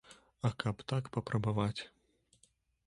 А каб так папрабаваць.